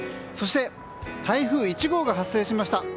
そして、台風１号が発生しました。